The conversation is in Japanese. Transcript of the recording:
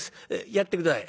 やって下さい」。